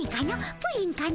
プリンかの？